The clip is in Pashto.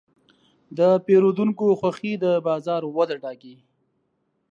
د پیرودونکو خوښي د بازار وده ټاکي.